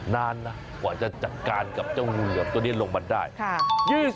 นานละกว่าจะจัดการวันเติบตัวนี้ลงมาได้